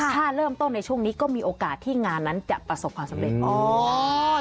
ถ้าเริ่มต้นในช่วงนี้ก็มีโอกาสที่งานนั้นจะประสบความสำเร็จ